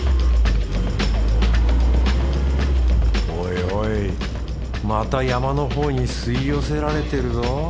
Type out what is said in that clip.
おいおいまた山のほうに吸い寄せられてるぞ。